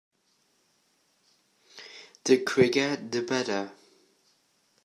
The quicker the better.